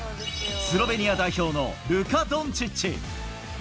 スロベニア代表のルカ・ドンチッチ。